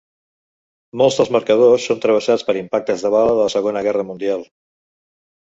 Molts dels marcadors són travessats per impactes de bales de la segona guerra mundial.